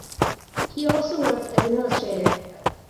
He also worked as an illustrator.